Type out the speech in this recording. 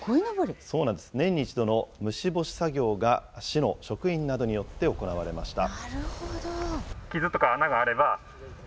そうなんです、年に一度の虫干し作業が、市の職員などによって行われました。